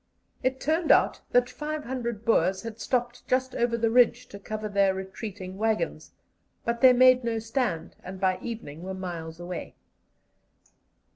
It turned out that 500 Boers had stopped just over the ridge to cover their retreating waggons, but they made no stand, and by evening were miles away.